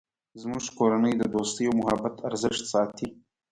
زموږ کورنۍ د دوستۍ او محبت ارزښت ساتی